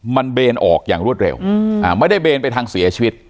มันเบนออกอย่างรวดเร็วไม่ได้เบนไปทางเสียชีวิต